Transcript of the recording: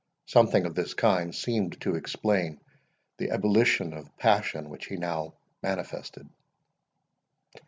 Something of this kind seemed to explain the ebullition of passion which he had now manifested.